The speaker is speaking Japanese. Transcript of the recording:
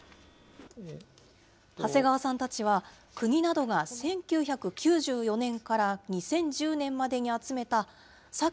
長谷川さんたちは国などが１９９４年から２０１０年までに集めたサケ